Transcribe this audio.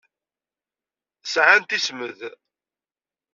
Sɛant ismed.